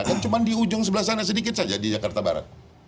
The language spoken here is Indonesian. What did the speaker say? kan cuma di ujung sebelah sana sedikit saja di jakarta barat